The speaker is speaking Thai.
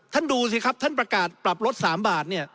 ท่านดูสิครับท่านประกาศปรับลด๓บาท